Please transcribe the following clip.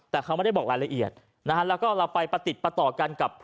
แต่เขาไม่ได้บอกรายละเอียดแล้วก็ไปประติดประต่อกันกับเพื่อน